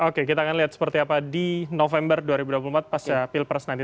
oke kita akan lihat seperti apa di november dua ribu dua puluh empat pasca pilpres nanti